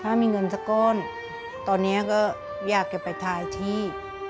ถ้ามีเงินสักก้อนตอนนี้ก็อยากจะไปทายที่